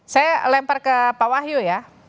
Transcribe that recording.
saya lempar ke pak wahyu ya